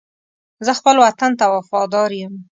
زه خپل وطن ته وفادار یم.